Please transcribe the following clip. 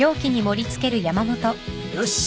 よし。